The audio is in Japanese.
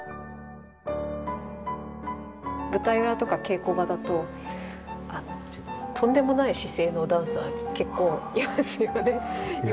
舞台裏とか稽古場だととんでもない姿勢のダンサーが結構いますよね。